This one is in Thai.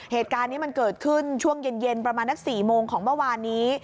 เหตุการณ์นี้มันเกิดขึ้นช่วงเย็นประมาณนัก๔โมงของเมื่อวานนี้